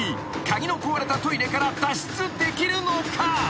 鍵の壊れたトイレから脱出できるのか？］